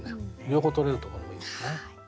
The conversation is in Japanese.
両方とれるところもいいですね。